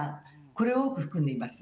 これを多く含んでいます。